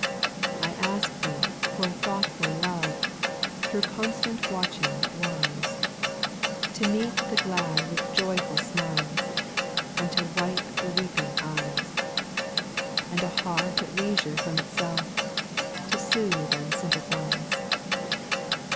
/ 2. / I ask Thee for a thoughtful love, Through constant watching wise, To meet the glad with joyful smiles, And to wipe the weeping eyes ; And a heart at leisure from itself, To soothe and sympathize.